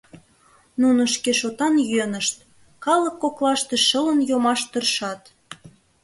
Нунын шкешотан йӧнышт: калык коклаште шылын йомаш тыршат.